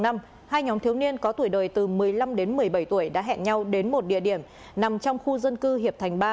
hai nhóm thiếu niên có tuổi đời từ một mươi năm đến một mươi bảy tuổi đã hẹn nhau đến một địa điểm nằm trong khu dân cư hiệp thành ba